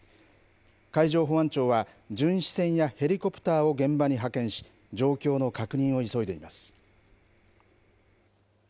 海上保安庁は巡視船やヘリコプターを現場に派遣し、状況の確認を急いでいます。